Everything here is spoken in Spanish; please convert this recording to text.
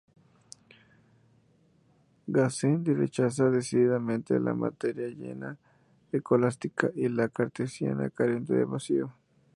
Gassendi rechaza decididamente la "materia llena" escolástica y la cartesiana carente de vacío.